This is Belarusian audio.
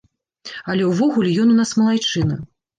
Але ўвогуле, ён у нас малайчына.